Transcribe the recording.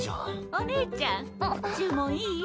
・おねえちゃん注文いい？